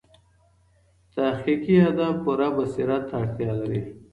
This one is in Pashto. تحقیقي ادب پوره بصیرت ته اړتیا لري.